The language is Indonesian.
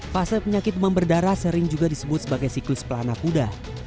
fase penyakit demam berdarah sering juga disebut sebagai siklus pelana kuda